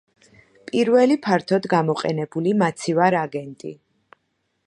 პირველი ფართოდ გამოყენებული მაცივარ აგენტი.